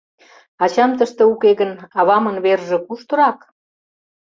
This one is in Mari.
Ачам тыште уке гын, авамын верже куштырак?